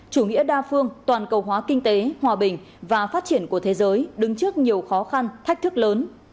chủ nghĩa đa phương toàn cầu hóa kinh tế hòa bình và phát triển của thế giới đứng trước nhiều khó khăn thách thức lớn